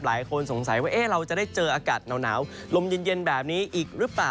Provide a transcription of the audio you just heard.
หลายคนสงสัยว่าเราจะได้เจออากาศหนาวลมเย็นแบบนี้อีกหรือเปล่า